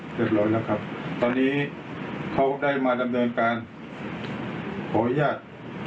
เรียบร้อยแล้วครับตอนนี้เขาได้มาดำเนินการขออนุญาต